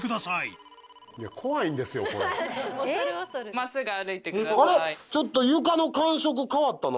まっすぐ歩いてください。